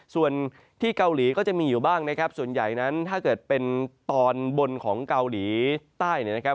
ส่วนที่เกาหลีก็จะมีอยู่บ้างนะครับส่วนใหญ่นั้นถ้าเกิดเป็นตอนบนของเกาหลีใต้เนี่ยนะครับ